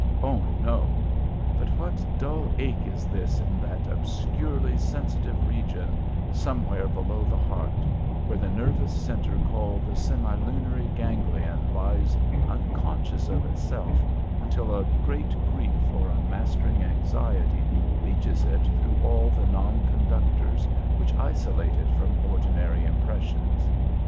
Oh no! but what dull ache is this in that obscurely sensitive region, somewhere below the heart, where the nervous centre called the semilunar ganglion lies unconscious of itself until a great grief or a mastering anxiety reaches it through all the non conductors which isolate it from ordinary impressions?